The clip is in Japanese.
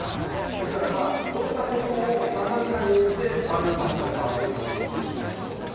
ですから、どんなことをなさるかによって、〇、×が変わってくるということになりそうです。